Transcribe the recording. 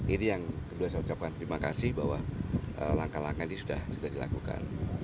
ini yang terima kasih bahwa langkah langkah ini sudah dilakukan